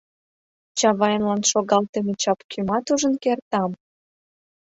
— Чавайнлан шогалтыме чапкӱмат ужын кертам?